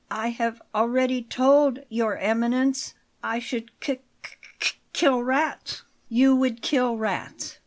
"I have already told Your Eminence; I should k k kill rats." "You would kill rats.